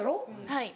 はい。